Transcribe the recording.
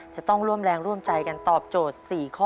จะต้องร่วมแรงร่วมใจกันตอบโจทย์๔ข้อ